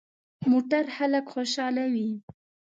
موټر خلک خوشحالوي.